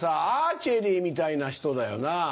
アーチェリーみたいな人だよな。